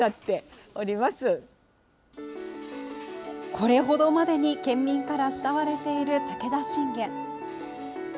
これほどまでに県民から慕われている武田信玄。